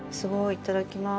いただきます。